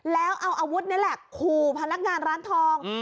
แล้วเอาอาวุธนี่แหละขู่พนักงานร้านทอง